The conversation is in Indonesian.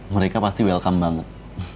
mereka pasti welcome banget